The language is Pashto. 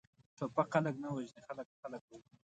ټوپک خلک نه وژني، خلک، خلک وژني!